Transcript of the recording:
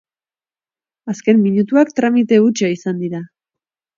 Azken minutuak tramite hutsa izan dira.